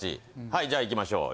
はいじゃあ行きましょう。